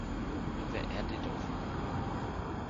Men hvad er dog det for noget